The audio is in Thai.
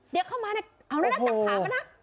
เดี๋ยวเข้ามานะเอานะจับขาค่ะนะ